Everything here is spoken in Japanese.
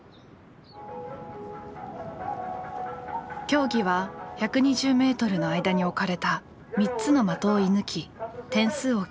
競技は１２０ｍの間に置かれた３つの的を射ぬき点数を競います。